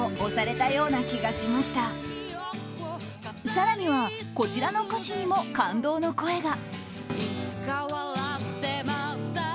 更にはこちらの歌詞にも感動の声が。